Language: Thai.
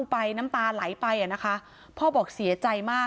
พระเจ้าที่อยู่ในเมืองของพระเจ้า